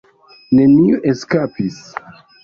Neniu eskapis.